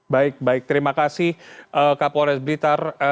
baik baik terima kasih kapolres blitar